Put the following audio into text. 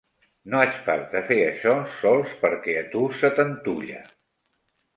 No haig pas de fer això sols perquè a tu se t'antulla!